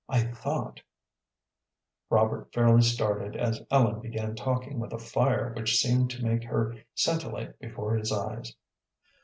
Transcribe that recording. I thought " Robert fairly started as Ellen began talking with a fire which seemed to make her scintillate before his eyes.